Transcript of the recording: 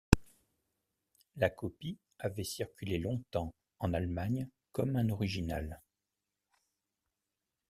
La copie avait circulé longtemps en Allemagne comme un original.